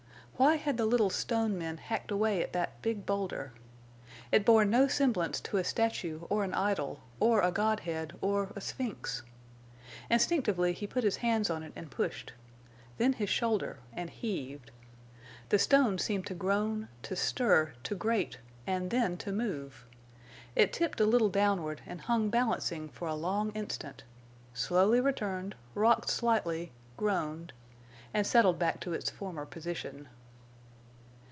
Why had the little stone men hacked away at that big boulder? It bore no semblance to a statue or an idol or a godhead or a sphinx. Instinctively he put his hands on it and pushed; then his shoulder and heaved. The stone seemed to groan, to stir, to grate, and then to move. It tipped a little downward and hung balancing for a long instant, slowly returned, rocked slightly, groaned, and settled back to its former position.